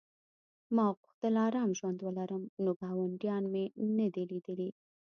ما غوښتل ارام ژوند ولرم نو ګاونډیان مې نه دي لیدلي